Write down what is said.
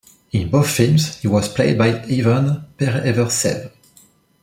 In both films he was played by Ivan Pereverzev.